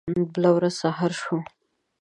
بله ورځ سهار شو.